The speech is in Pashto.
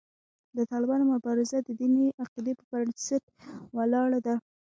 د طالبانو مبارزه د دیني عقیدې پر بنسټ ولاړه ده.